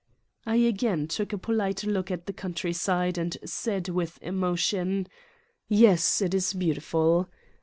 I again took a polite look at the country side and said with emotion: "Yes, it is beautiful!